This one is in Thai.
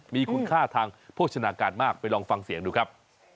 มีคุณค่าทางโภชนาการมากไปลองฟังเสียงดูครับ